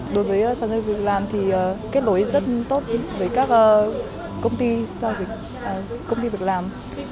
đối với sản giao dịch việc làm thì kết nối rất tốt với các công ty giao dịch công ty việc làm